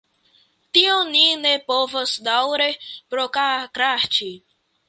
Tion ni ne povas daŭre prokrasti!